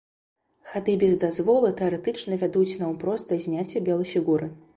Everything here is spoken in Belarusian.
Хады без дазволу тэарэтычна вядуць наўпрост да зняцця белай фігуры.